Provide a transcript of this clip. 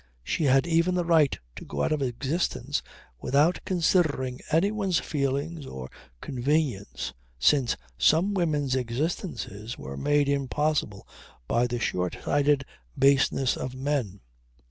She had even the right to go out of existence without considering anyone's feelings or convenience since some women's existences were made impossible by the shortsighted baseness of men.